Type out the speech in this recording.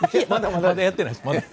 まだやっていないです。